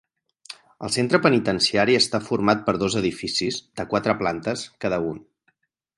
El centre penitenciari està format per dos edificis de quatre plantes cada un.